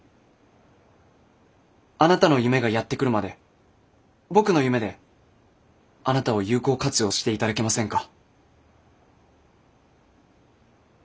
あなたの夢がやって来るまで僕の夢であなたを有効活用していただけませんか。